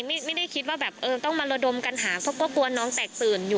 ไม่ได้คิดว่าแบบเออต้องมาระดมกันหาเพราะก็กลัวน้องแตกตื่นอยู่